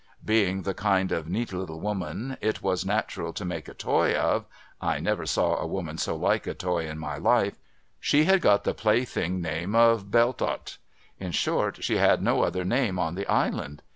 Being the kind of neat little woman it was natural to make a toy of — I never saw a woman so like a toy in my life — she had got the plaything name of BeUtott. In short, she had no other name on the island.